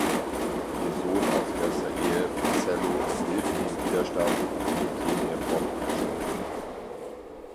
Ihr Sohn aus erster Ehe, Marcello, hilft dem Widerstand, indem er Bomben schmuggelt.